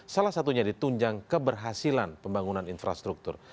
salah satunya ditunjang keberhasilan pembangunan infrastruktur